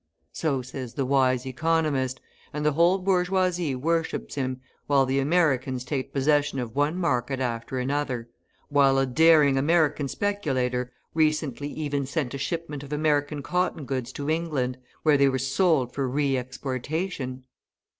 So says the wise economist, and the whole bourgeoisie worships him, while the Americans take possession of one market after another, while a daring American speculator recently even sent a shipment of American cotton goods to England, where they were sold for re exportation!